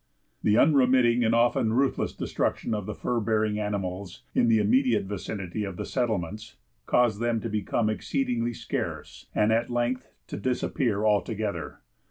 The unremitting and often ruthless destruction of the fur bearing animals, in the immediate vicinity of the settlements, caused them to become exceedingly scarce, and at length to disappear altogether.